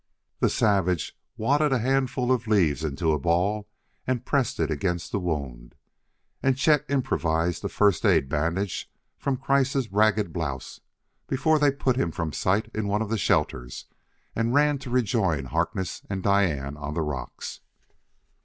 The savage wadded a handful of leaves into a ball and pressed it against the wound, and Chet improvised a first aid bandage from Kreiss' ragged blouse before they put him from sight in one of the shelters and ran to rejoin Harkness and Diane on the rocks.